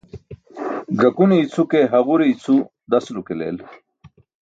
Ẓakune i̇cʰu ke haġure i̇cʰu dasulo ke leel.